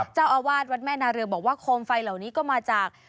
เจ้าอาวาสวัดแม่นาเรือบอกว่าโคมไฟเหล่านี้ก็มาจาก